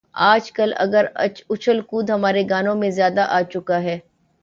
آج کل اگر اچھل کود ہمارے گانوں میں زیادہ آ چکا ہے۔